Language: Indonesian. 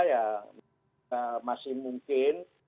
ya masih mungkin